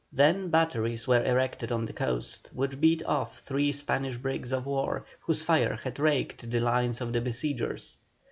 Then batteries were erected on the coast, which beat off three Spanish brigs of war whose fire had raked the lines of the besiegers.